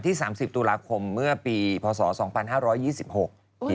แต่รู้จักคือตอนพอมาทำ